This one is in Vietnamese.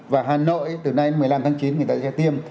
và hà nội từ nay một mươi năm tháng chín người ta sẽ tiêm